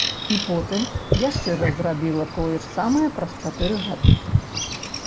І потым яшчэ раз зрабіла тое ж самае праз чатыры гады.